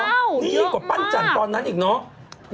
นี่กว่าปั้นจันตอนนั้นอีกเนอะเยอะมาก